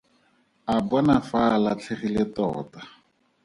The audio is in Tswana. A bona fa a latlhegile tota.